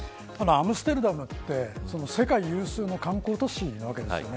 アムステルダムって世界有数の観光都市なわけですよね。